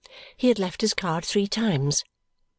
He had left his card three times. Mr.